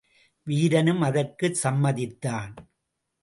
வீரனும் அதற்குச் சம்மதித்தான்.